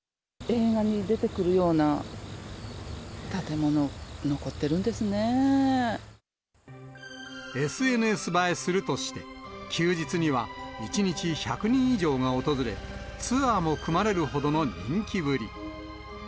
映画に出てくるような建物、ＳＮＳ映えするとして、休日には１日１００人以上が訪れ、ツアーも組まれるほどの人気ぶり。